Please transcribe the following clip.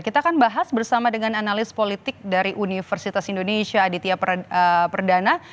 kita akan bahas bersama dengan analis politik dari universitas indonesia aditya perdana